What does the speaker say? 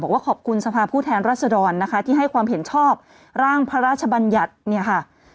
ขอบคุณสภาพผู้แทนรัศดรนะคะที่ให้ความเห็นชอบร่างพระราชบัญญัติเนี่ยค่ะ